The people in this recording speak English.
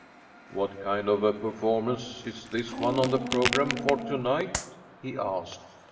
"What kind of a performance is this one on the programme for to night?" he asked.